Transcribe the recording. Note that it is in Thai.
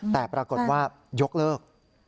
แต่ปรากฏว่ายกเลิก